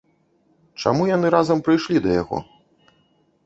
Чаму яны разам прыйшлі да яго?